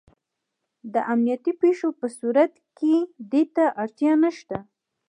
د امنیتي پېښو په صورت کې دې ته اړتیا نشته.